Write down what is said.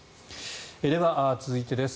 では、続いてです。